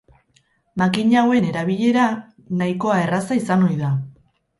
Makina hauen erabilera nahikoa erraza izan ohi da.